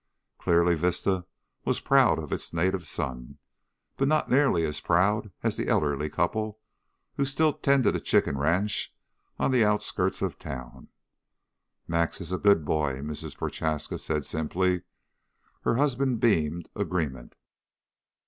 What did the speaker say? Clearly, Vista was proud of its native son, but not nearly as proud as the elderly couple who still tended a chicken ranch on the outskirts of town. "Max is a good boy," Mrs. Prochaska said simply. Her husband beamed agreement.